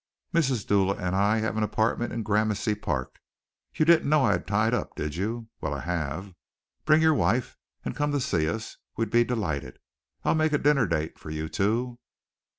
Mrs. Dula and I have an apartment in Gramercy Place. You didn't know I had tied up, did you? Well, I have. Bring your wife and come to see us. We'll be delighted. I'll make a dinner date for you two."